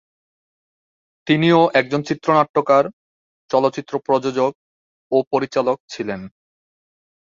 তিনিও একজন চিত্রনাট্যকার, চলচ্চিত্র প্রযোজক ও পরিচালক ছিলেন।